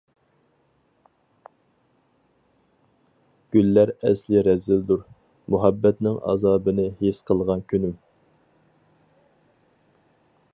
گۈللەر ئەسلى رەزىلدۇر، مۇھەببەتنىڭ ئازابىنى ھېس قىلغان كۈنۈم.